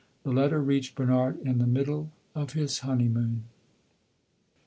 The letter reached Bernard in the middle of his honeymoon.